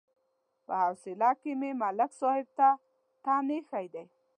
په حوصله کې مې ملک صاحب ته تن ایښی دی.